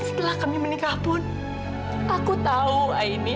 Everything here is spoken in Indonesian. dan setelah kami menikah pun aku tahu aini